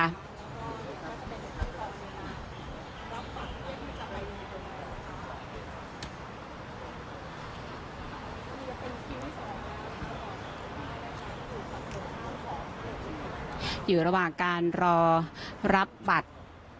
รับบัตรด้วยที่จะไปอยู่ระหว่างการรอรับบัตร